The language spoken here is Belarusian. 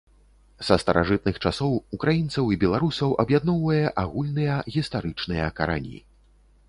Са старажытных часоў ўкраінцаў і беларусаў аб'ядноўвае агульныя гістарычныя карані.